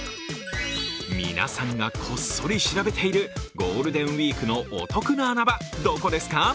皆さんがこっそり調べているゴールデンウイークのお得な穴場、どこですか？